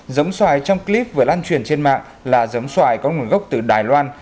giống xoài trong clip vừa lan truyền trên mạng là giống xoài có nguồn gốc từ đài loan